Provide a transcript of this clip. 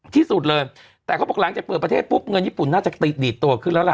ที่สุดเลยแต่เขาบอกหลังจากเปิดประเทศปุ๊บเงินญี่ปุ่นน่าจะตีดตัวขึ้นแล้วล่ะ